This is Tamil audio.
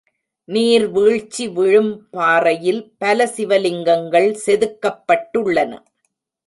நீர் வீழ்ச்சி விழும் பாறையில் பல சிவலிங்கங்கள் செதுக்கப்பட்டுள்ளன.